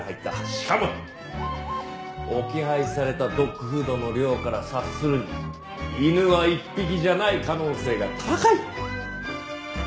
しかも置き配されたドッグフードの量から察するに犬は１匹じゃない可能性が高い。